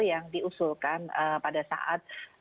yang diusulkan pada saat